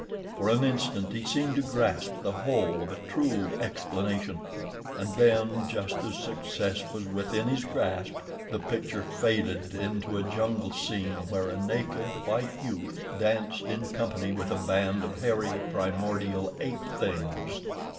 For an instant he seemed to grasp the whole of a true explanation, and then, just as success was within his grasp, the picture faded into a jungle scene where a naked, white youth danced in company with a band of hairy, primordial ape things.